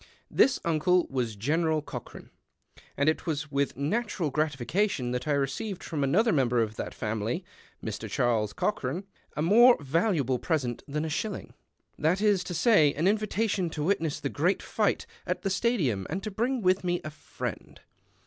This uncle was General Cochran ; and it was with natural gratification that I received from another member of that family, Mr. Charles Cochran, a more valuable present than a shilling, that is to say, an invitation to witness the Great Fight at the Stadium and to bring with me a friepd.